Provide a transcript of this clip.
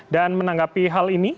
dan menanggapi hal ini